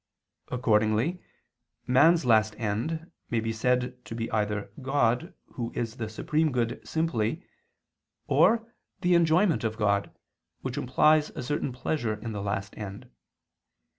Accordingly, man's last end may be said to be either God Who is the Supreme Good simply; or the enjoyment of God, which implies a certain pleasure in the last end.